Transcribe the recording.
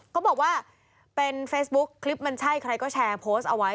เขาบอกว่าเป็นเฟซบุ๊คคลิปมันใช่ใครก็แชร์โพสต์เอาไว้